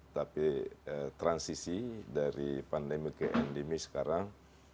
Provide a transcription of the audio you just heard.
tapi transisi dari pandemi ke endemi sekarang